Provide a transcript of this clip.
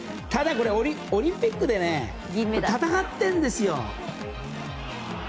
ただ、オリンピックで戦ってるんですよ。